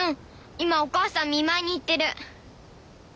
今お母さん見舞いに行ってる。